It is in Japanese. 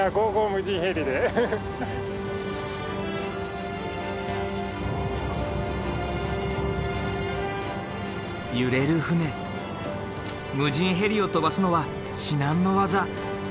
無人ヘリを飛ばすのは至難の業。